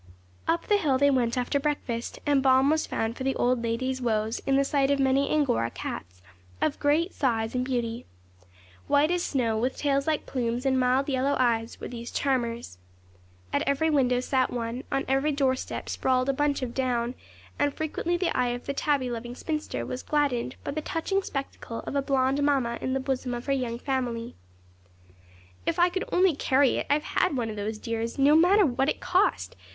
Up the hill they went after breakfast; and balm was found for the old lady's woes in the sight of many Angora cats, of great size and beauty. White as snow, with tails like plumes, and mild, yellow eyes, were these charmers. At every window sat one; on every door step sprawled a bunch of down; and frequently the eye of the tabby loving spinster was gladdened by the touching spectacle of a blonde mamma in the bosom of her young family. 'If I could only carry it, I'd have one of those dears, no matter what it cost!'